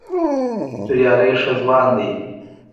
توریالی ښه ځوان دی.